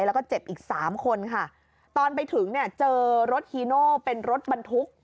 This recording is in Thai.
แล้วก็เจ็บอีกสามคนค่ะตอนไปถึงเนี่ยเจอรถฮีโน่เป็นรถบรรทุก